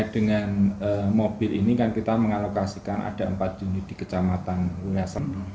dengan mobil ini kan kita mengalokasikan ada empat unit di kecamatan ruason